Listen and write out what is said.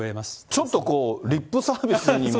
ちょっとリップサービスにも。